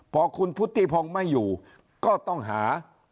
พอคุณพุทธิพงศ์ไม่อยู่ก็ต้องหา